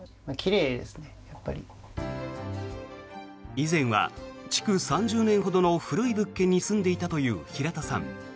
以前は築３０年ほどの古い物件に住んでいたという平田さん。